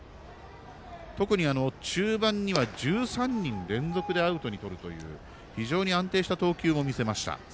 特に、中盤には１３人連続でアウトにとるという非常に安定した投球も見せました。